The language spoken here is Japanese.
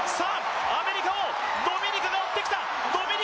アメリカをドミニカが追ってきた！